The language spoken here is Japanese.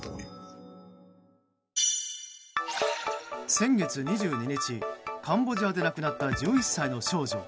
先月２２日、カンボジアで亡くなった１１歳の少女。